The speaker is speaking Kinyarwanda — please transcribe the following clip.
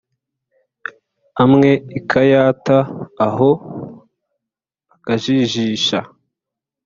amwe ikayata aho akajijisha